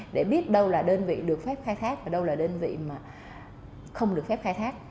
để biết đâu là đơn vị được phép khai thác và đâu là đơn vị mà không được phép khai thác